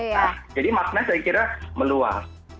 jadi makna saya kira meluas